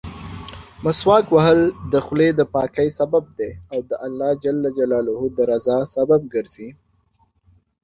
مسواک وهل د خولې دپاکۍسبب دی او د الله جل جلاله درضا سبب ګرځي.